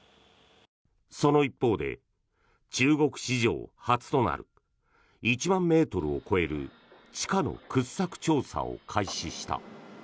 その一方で、中国史上初となる１万ｍを超える地下の掘削調査を開始した。